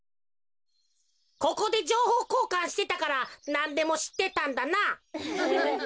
ここでじょうほうこうかんしてたからなんでもしってたんだな。